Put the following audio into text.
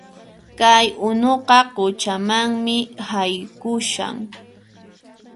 Kay unuqa quchamanmi haykushan